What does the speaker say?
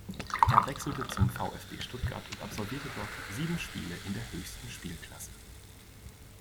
Er wechselte zum VfB Stuttgart und absolvierte dort sieben Spiele in der höchsten Spielklasse.